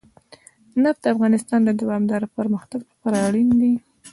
نفت د افغانستان د دوامداره پرمختګ لپاره اړین دي.